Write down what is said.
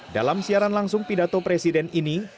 dalam siaran langsung pidato presiden ini